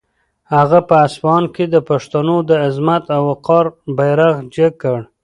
هغه په اصفهان کې د پښتنو د عظمت او وقار بیرغ جګ کړ.